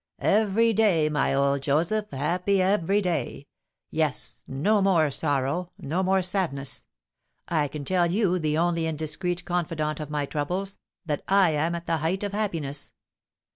"Every day, my old Joseph, happy every day. Yes, no more sorrow, no more sadness. I can tell you, the only and discreet confidant of my troubles, that I am at the height of happiness.